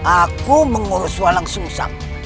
aku mengurus walang sung sang